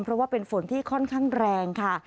เพราะว่าเป็นฝนที่ค่อนข้างแรงค่ะ